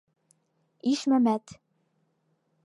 Ишмәмәт...